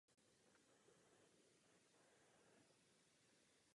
Vzhled čtvrti se zásadně změnil.